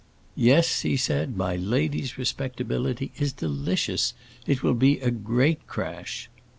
"Yes," he said, "my lady's respectability is delicious; it will be a great crash!"